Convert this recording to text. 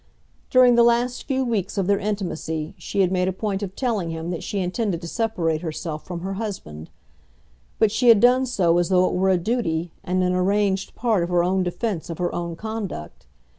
During the last few weeks of their intimacy she had made a point of telling him that she intended to separate herself from her husband; but she had done so as though it were a duty, and an arranged part of her own defence of her own conduct.